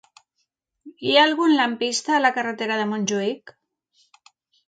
Hi ha algun lampista a la carretera de Montjuïc?